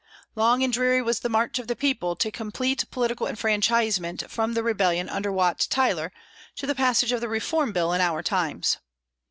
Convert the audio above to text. Long and dreary was the march of the people to complete political enfranchisement from the rebellion under Wat Tyler to the passage of the Reform Bill in our times.